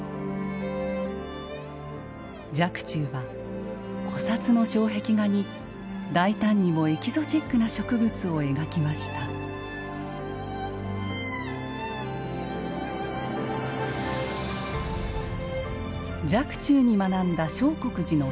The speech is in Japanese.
若冲は古刹の障壁画に大胆にもエキゾチックな植物を描きました若冲に学んだ相国寺の僧侶